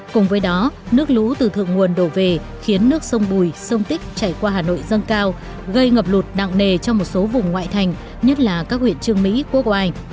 cùng với đó nước lũ từ thượng nguồn đổ về khiến nước sông bùi sông tích chảy qua hà nội dâng cao gây ngập lụt nặng nề cho một số vùng ngoại thành nhất là các huyện trương mỹ quốc oai